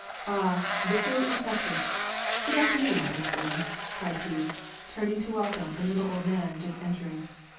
Ah ! Vasili Ignatyitch ! Good afternoon, old friend," cried he, turning to welcome a little old man, just entering.